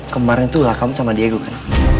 kemarin tuh lah kamu sama diego kan